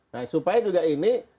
nah supaya juga ini